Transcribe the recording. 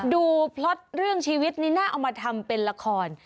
พล็อตเรื่องชีวิตนี่น่าเอามาทำเป็นละคร